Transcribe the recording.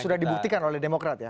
sudah dibuktikan oleh demokrat ya